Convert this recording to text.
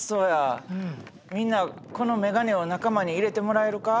みんなこのメガネを仲間に入れてもらえるか？